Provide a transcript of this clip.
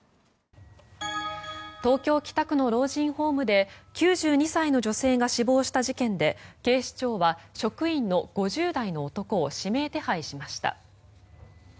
東京・北区の老人ホームで９２歳の女性が死亡した事件で警視庁は職員の５０代の男を指名手配しました。